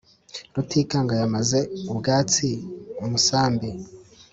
Rutikanga yamaze ubwatsi-Umusambi.